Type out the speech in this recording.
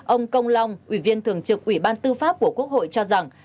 ông công long ủy viên thường trực ủy ban tư pháp của quốc hội cho rằng